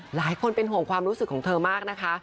หลายคนเป็นห่วงความรู้สึกของเธอมากนะคะ